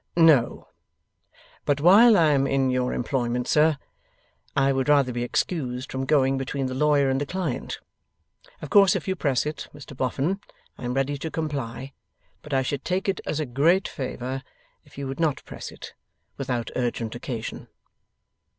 'No. But while I am in your employment, sir, I would rather be excused from going between the lawyer and the client. Of course if you press it, Mr Boffin, I am ready to comply. But I should take it as a great favour if you would not press it without urgent occasion.